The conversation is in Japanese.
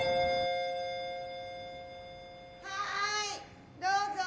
はーいどうぞ。